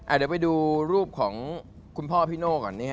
เดี๋ยวไปดูรูปของคุณพ่อพี่โน่ก่อน